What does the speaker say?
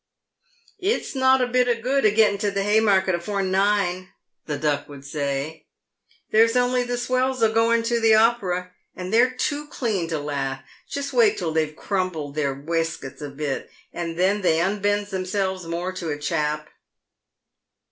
" It's not a bit o' good a getting to the Haymarket afore nine," the Duck would say. " There's only the swells a going to the Opera, and they're too clean to laugh. Just wait till they've crumpled their waistkits a bit, and then they unbends theirselves more to a chap."